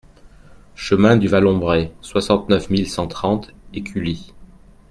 Chemin du Vallombrey, soixante-neuf mille cent trente Écully